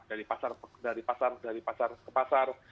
dari pasar ke pasar